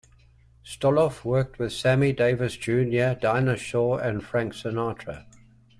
Stoloff worked with Sammy Davis Junior Dinah Shore and Frank Sinatra.